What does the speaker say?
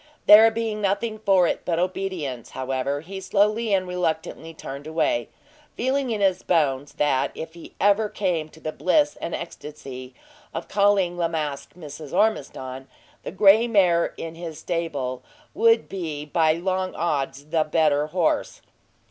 There being nothing for it but obedience, however, he slowly and reluctantly turned away, feeling in his bones, that if ever he came to the bliss and ecstasy of calling La Masque Mrs. Ormiston, the gray mare in his stable would be by long odds the better horse.